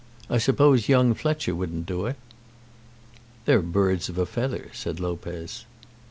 I suppose young Fletcher wouldn't do it?" "They're birds of a feather," said Lopez.